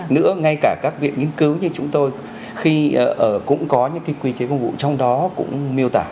nữa ngay cả các viện nghiên cứu như chúng tôi khi cũng có những quy chế phục vụ trong đó cũng miêu tả